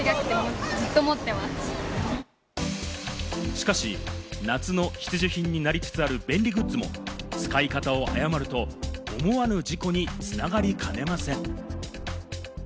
しかし、夏の必需品になりつつある便利グッズも使い方を誤ると思わぬ事故に繋がりかねません。